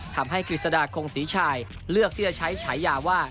ทำให้คริสตาคงศรีชายเลือกที่จะใช้ชายาว่า